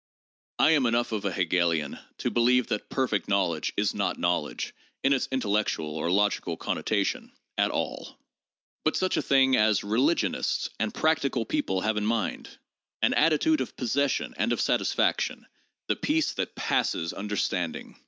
I am enough of a Hegelian to believe that 'perfect' knowledge is not knowledge (in its intellectual or logical connotation) at all, but such a thing as religionists and practical people have in mind ; an attitude of possession and of satisfaction, — the peace that passes understanding.